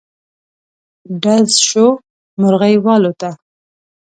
ډز شو، مرغی والوته.